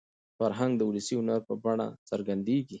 فرهنګ د ولسي هنر په بڼه څرګندېږي.